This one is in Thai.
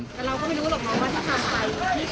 แต่เราก็ไม่รู้เราก็ลองว่าจะทำไป